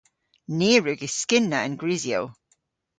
Ni a wrug yskynna an grisyow.